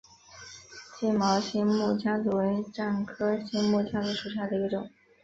金毛新木姜子为樟科新木姜子属下的一个种。